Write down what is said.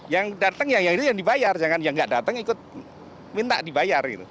yang dateng ya yang itu yang dibayar jangan yang gak dateng ikut minta dibayar gitu